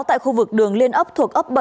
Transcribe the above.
tại khu vực đường liên ấp thuộc ấp bảy